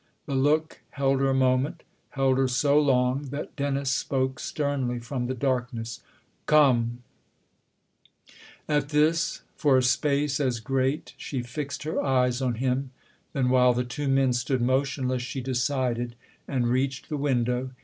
The look held her a moment, held her so long that Dennis spoke sternly from the darkness :" Come !" At this, for a space as great, she fixed her eyes on him ; then while the two men stood motionless she decided and reached the window.